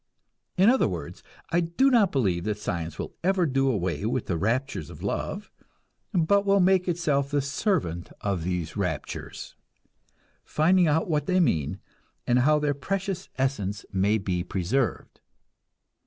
In other words, I do not believe that science will ever do away with the raptures of love, but will make itself the servant of these raptures, finding out what they mean, and how their precious essence may be preserved.